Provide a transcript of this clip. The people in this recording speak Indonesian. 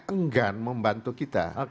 enggan membantu kita